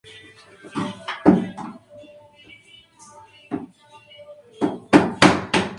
Los decorados de la película estuvieron diseñados por Enrique Alarcón.